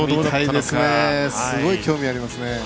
すごい興味ありますね。